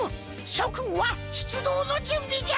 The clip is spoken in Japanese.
しょくんはしゅつどうのじゅんびじゃ！